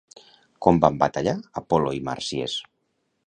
Com van batallar Apol·lo i Màrsies?